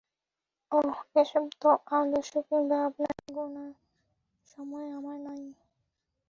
ওহ, এসব আদর্শ কিংবা আপনাকে গোণার সময় আমার নেই।